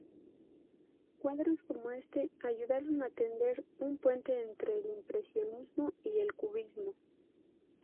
Cuadros como este ayudaron a tender un puente entre el Impresionismo y el Cubismo.